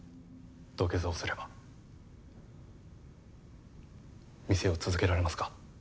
土下座をすれば店を続けられますか？